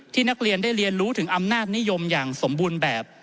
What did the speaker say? นักเรียนได้เรียนรู้ถึงอำนาจนิยมอย่างสมบูรณ์แบบ